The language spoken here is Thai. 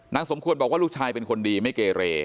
สมควรบอกว่าลูกชายเป็นคนดีไม่เกเร